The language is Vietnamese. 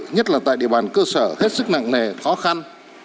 nhất là tại địa bàn cơ sở hết sức nặng nề khó khăn